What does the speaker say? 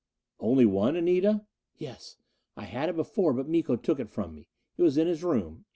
"Only one, Anita?" "Yes. I had it before, but Miko took it from me. It was in his room.